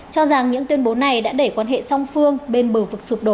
cho rằng những tuyên bố này đã để quan hệ song phương bên bờ vực sụp đổ